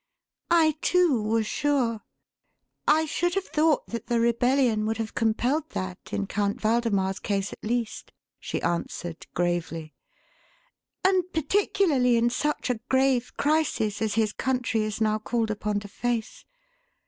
"I, too, was sure. I should have thought that the rebellion would have compelled that, in Count Waldemar's case at least," she answered, gravely. "And particularly in such a grave crisis as his country is now called upon to face.